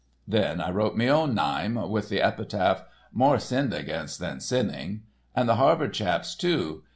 Then I wrote me own nyme, with the epitaph, 'More Sinned Against Than Sinning;' and the Harvard chap's too.